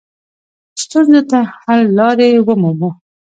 ستونزو ته حل لارې ومومو.